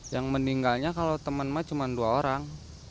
yang meninggalnya kalau teman mah cuma dua orang